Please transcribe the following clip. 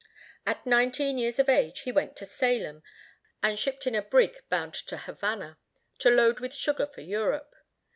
At nineteen years of age he went to Salem, and shipped in a brig bound to Havana, to load with sugar for Europe.